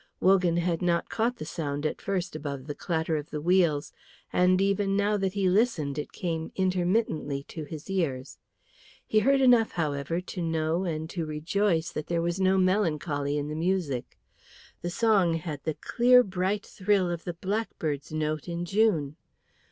Wogan had not caught the sound at first above the clatter of the wheels, and even now that he listened it came intermittently to his ears. He heard enough, however, to know and to rejoice that there was no melancholy in the music. The song had the clear bright thrill of the blackbird's note in June.